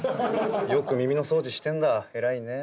よく耳の掃除してんだ偉いね。